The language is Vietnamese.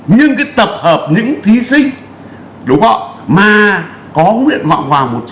nhưng cái tập hợp những thí sinh đúng không